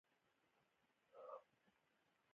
دوی خپله بودیجه لري.